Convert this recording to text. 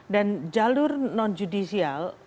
dan jalur nonjudisial